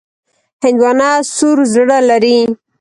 هندوانه سور زړه لري.